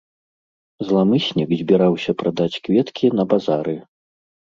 Зламыснік збіраўся прадаць кветкі на базары.